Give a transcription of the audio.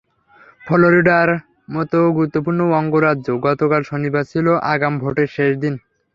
ফ্লোরিডার মতো গুরুত্বপূর্ণ অঙ্গরাজ্যে গতকাল শনিবার ছিল আগাম ভোটের শেষ দিন।